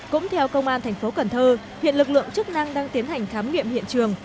cũng theo công an tp cn hiện lực lượng chức năng đang tiến hành khám nghiệm hiện trường